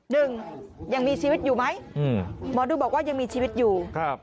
ยังมีชีวิตอยู่ไหมหมอดูบอกว่ายังมีชีวิตอยู่ครับ